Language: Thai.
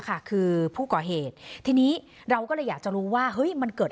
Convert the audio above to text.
ค่ะคือผู้ก่อเหตุทีนี้เราก็เลยอยากจะรู้ว่าเฮ้ยมันเกิด